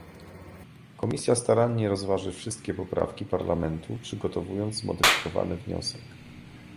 Komisja starannie rozważy wszystkie poprawki Parlamentu, przygotowując zmodyfikowany wniosek